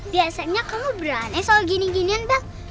biasanya kamu berani soal gini ginian dah